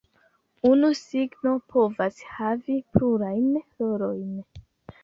Unu signo povas havi plurajn rolojn.